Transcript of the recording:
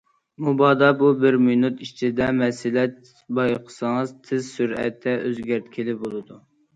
مۇبادا بۇ بىر مىنۇت ئىچىدە مەسىلە بايقىسىڭىز، تېز سۈرئەتتە ئۆزگەرتكىلى بولىدۇ.